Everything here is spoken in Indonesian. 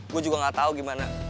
gue juga gak tau gimana